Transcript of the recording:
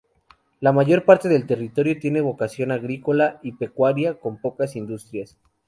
La mayor parte del territorio tiene vocación agrícola y pecuaria, con pocas industrias.